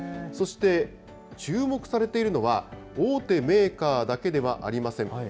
そして、注目されているのは大手メーカーだけではありません。